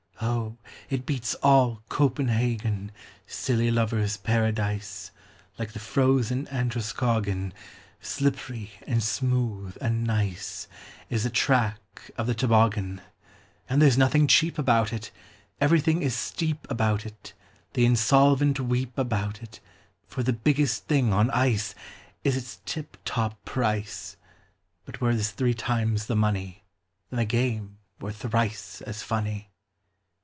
Oh, it beats all "Copenhagen," Silly lovers' paradise! Like the frozen Androscoggin, Slippery, and smooth, and nice, Is the track of the toboggan; And there's nothing cheap about it, Everything is steep about it, The insolvent weep about it, For the biggest thing on ice Is its tip top price; But were this three times the money, Then the game were thrice as funny.